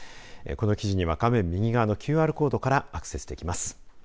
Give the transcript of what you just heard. この記事には画面右側のＱＲコードからアクセスできます。